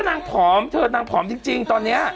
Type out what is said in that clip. นางผอมเธอนางผอมจริงตอนนี้